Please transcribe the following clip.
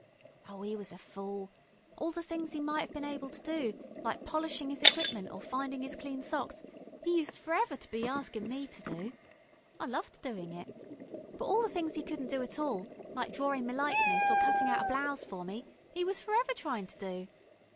Ow, 'e was a fool.... All the things 'e might 'ave bin able to do, like polishin' 'is equipment, or findin' 'is clean socks, 'e use to forever be askin' me to do. I loved doin' it. But all the things 'e couldn't do at all, like drawin' me likeness, or cuttin' out a blouse for me, 'e was forever tryin' to do."